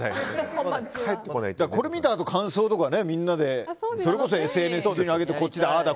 これ見たあと感想とかみんなでＳＮＳに上げてこっちで、ああだ